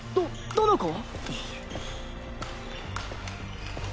どどの子？